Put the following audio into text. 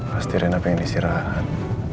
pasti riana pengen istirahat